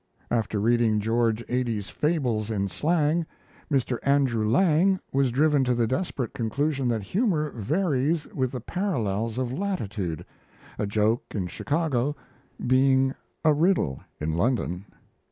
After reading George Ade's Fables in Slang, Mr. Andrew Lang was driven to the desperate conclusion that humour varies with the parallels of latitude, a joke in Chicago being a riddle in London.